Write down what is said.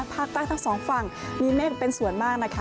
ภาคใต้ทั้งสองฝั่งมีเมฆเป็นส่วนมากนะคะ